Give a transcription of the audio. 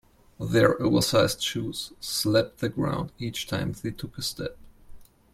Their oversized shoes slapped the ground each time they took a step.